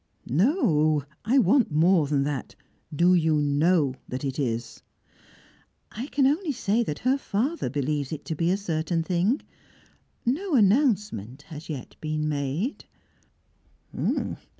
"No! I want more than that. Do you know that it is?" "I can only say that her father believes it to be a certain thing. No announcement has yet been made."